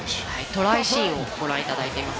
トライシーンをご覧いただいています。